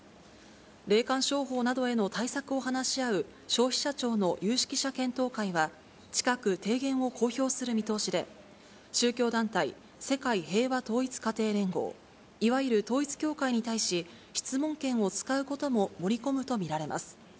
霊感商法などへの対策を話し合う消費者庁の有識者検討会は、近く提言を公表する見通しで、宗教団体、世界平和統一家庭連合、いわゆる統一教会に対し、質問権を使うことも盛り込むと見られます。